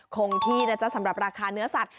คงที่นะจ๊ะสำหรับราคาเนื้อสัตว